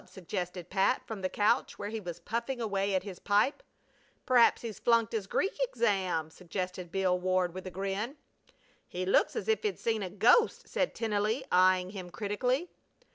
suggested Pat from the couch where he was puffing away at his pipe. "P'raps he's flunked his Greek exam.," suggested Bill Ward, with a grin. "He looks as if he'd seen a ghost!" said Tennelly, eying him critically.